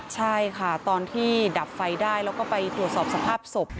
ใช่ค่ะตอนที่ดับไฟได้แล้วก็ไปตรวจสอบสภาพศพ